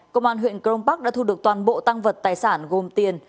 công an huyện crong park đã thu được toàn bộ tăng vật tài sản gồm tiền